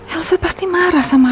elsa pasti marah sama